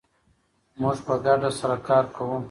موږ په ګډه سره کار کوو.